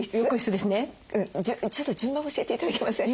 ちょっと順番教えて頂けません？